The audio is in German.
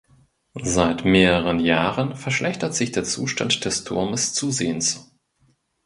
Seit mehreren Jahren verschlechtert sich der Zustand des Turmes zusehends.